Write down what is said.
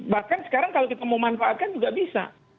bahkan sekarang kalau kita mau manfaatkan juga bisa